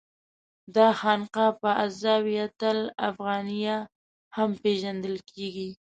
دا خانقاه په الزاویة الافغانیه هم پېژندل کېږي.